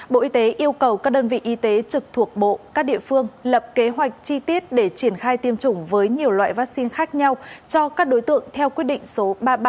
bộ y tế yêu cầu các đơn vị y tế trực thuộc bộ các địa phương lập kế hoạch chi tiết để triển khai tiêm chủng với nhiều loại vaccine khác nhau cho các đối tượng theo quyết định số ba trăm ba mươi ba